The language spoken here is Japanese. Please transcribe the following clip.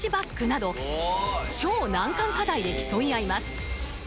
超難関課題で競い合います